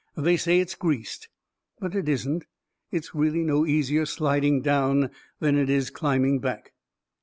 "They say it's greased. But it isn't. It's really no easier sliding down than it is climbing back."